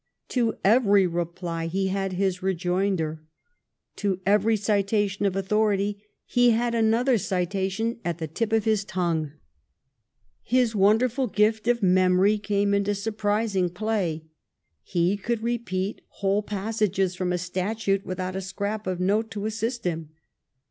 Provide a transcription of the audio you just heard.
To every reply he had his rejoinder; to every citation oi authority he had another citation at the tip of his tongue. His wonderful gift of memory came into surprising play. He could repeat whole passages from a statute without a scrap of a note to assist him.